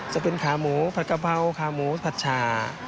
จะเป็นขาหมูผัดกะเพราขาหมูผัดชา